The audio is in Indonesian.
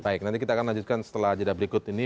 baik nanti kita akan lanjutkan setelah jeda berikut ini